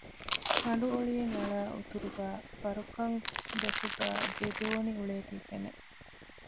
ކަނޑު އޮޅިއެއް އަޅައި އުތުރުގައި ފަރުކަން ދޮށުގައި ދެ ދޯނި އުޅޭތީ ފެނެ